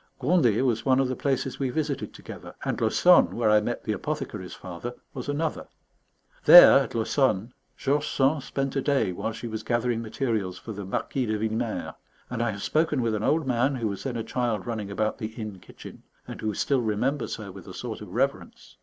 Gondet was one of the places we visited together; and Laussonne, where I met the apothecary's father, was another. There, at Laussonne, George Sand spent a day while she was gathering materials for the "Marquis de Villemer"; and I have spoken with an old man, who was then a child running about the inn kitchen, and who still remembers her with a sort of reverence.